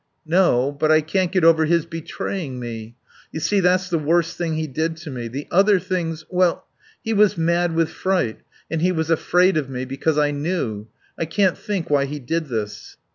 "No. But I can't get over his betraying me. You see, that's the worst thing he did to me. The other things well, he was mad with fright, and he was afraid of me, because I knew. I can't think why he did this."